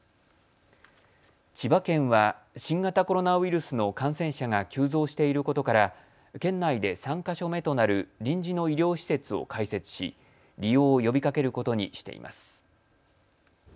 千葉県は新型コロナウイルスの感染者が急増していることから県内で３か所目となる臨時の医療施設を開設し利用を呼びかけることにしています。